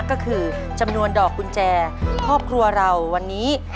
ก็คือจำนวนดอกกุญแจครอบครัวเราวันนี้